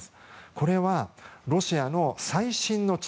これは、ロシアの最新の地